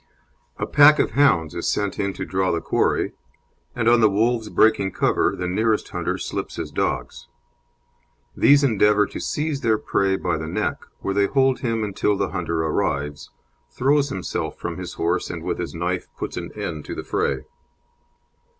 A pack of hounds is sent in to draw the quarry, and on the wolves breaking cover the nearest hunter slips his dogs. These endeavour to seize their prey by the neck, where they hold him until the hunter arrives, throws himself from his horse, and with his knife puts an end to the fray.